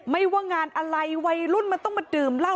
ว่างานอะไรวัยรุ่นมันต้องมาดื่มเหล้า